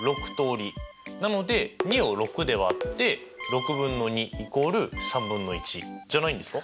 なので２を６で割って６分の２イコール３分の１じゃないんですか？